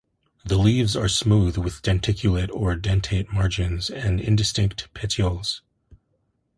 The leaves are smooth with denticulate or dentate margins and indistinct petioles.